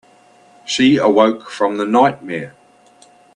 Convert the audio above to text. She awoke from the nightmare.